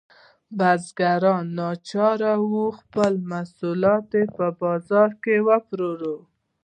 بزګران ناچاره وو خپل محصولات په بازار کې وپلوري.